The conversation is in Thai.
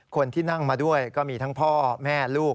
คนที่นั่งมาด้วยก็มีทั้งพ่อแม่ลูก